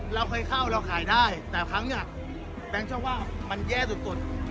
เราเคยเข้าเราขายได้แต่ครั้งนี้แบงค์ชอบว่ามันแย่สุด